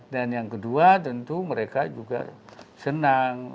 dan yang kedua tentu mereka juga senang